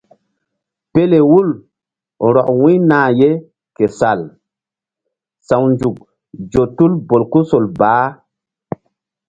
Pelehul rɔk wu̧y nah ye ke sal sawnzuk zo tul bolkusol bah.